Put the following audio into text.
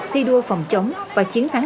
thi đua phòng chống và chiến thắng